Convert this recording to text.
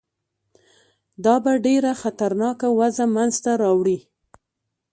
دا به ډېره خطرناکه وضع منځته راوړي.